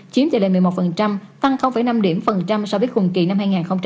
chiếm tỉ lệ một mươi một tăng năm so với khung kỳ năm hai nghìn một mươi bảy